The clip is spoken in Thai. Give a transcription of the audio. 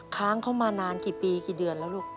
ค้างเขามานานกี่ปีกี่เดือนแล้วลูก